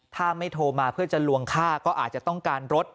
ถ้าไม่โทรมาเพื่อจะลวงค่าก็อาจจะต้องการรถ